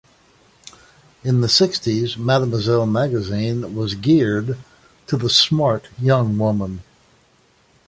In the sixties, "Mademoiselle" magazine was geared "to the smart young woman".